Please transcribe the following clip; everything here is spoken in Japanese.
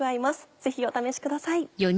ぜひお試しください。